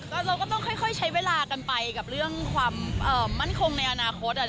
เราก็ต้องค่อยใช้เวลากันไปกับเรื่องความมั่นคงในอนาคต